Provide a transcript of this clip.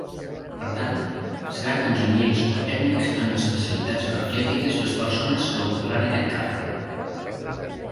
Per tant, seran enginyers o tècnics en especialitats energètiques les persones que ocuparan aquest càrrec.